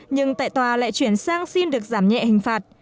nhưng tại tòa lại chuyển sang xin được giảm nhẹ hình phạt